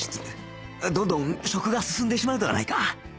どんどん食が進んでしまうではないか